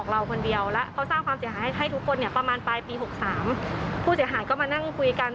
เริ่มมีบุคคลที่๒ที่๓เป็นขบวนการ